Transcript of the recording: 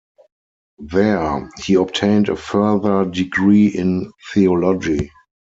There, he obtained a further degree in theology.